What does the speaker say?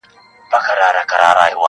کورنۍ لا هم ټوټه ټوټه ده,